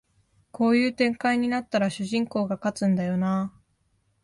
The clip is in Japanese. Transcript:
こういう展開になったら主人公が勝つんだよなあ